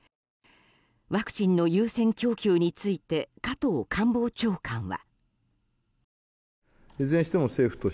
ワクチンの優先供給について加藤官房長官は。